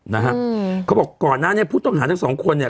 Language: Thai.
นะฮะอืมเขาบอกก่อนหน้าเนี้ยผู้ต้องหาทั้งสองคนเนี่ย